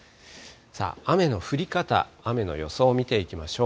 さあ、雨の降り方、雨の予想を見ていきましょう。